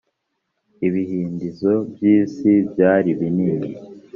ibihindizo by isi byari binini